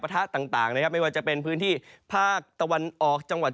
ทะต่างนะครับไม่ว่าจะเป็นพื้นที่ภาคตะวันออกจังหวัด